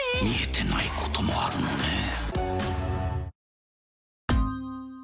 見えてないこともあるのね。